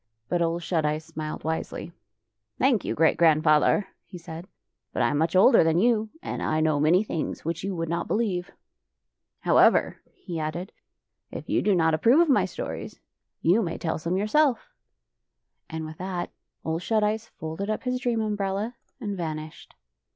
" But Ole Shut Eyes smiled wisely. " Thank you, Great Grandfather," he said, " but I am much older than you, and I know many things which you would not believe. " However," he added, " if you do not approve of my stories, you may tell some yourself." And with that Ole Shut Eyes folded up his dream umbrella and vanished.